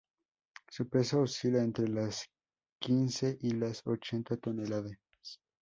Su peso oscila entre las quince y las ocho toneladas.